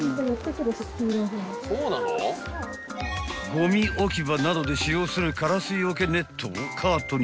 ［ごみ置き場などで使用するカラスよけネットをカートにズドンと］